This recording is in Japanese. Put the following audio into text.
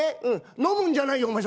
うん飲むんじゃないよ。